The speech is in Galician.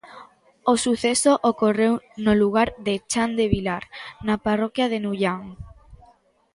O suceso ocorreu no lugar de Chan de Vilar, na parroquia de Nullán.